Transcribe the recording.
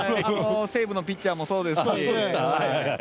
西武のピッチャーもそうですし。